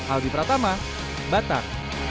alfi pratama batak